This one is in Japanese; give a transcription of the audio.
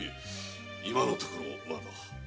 今のところはまだ。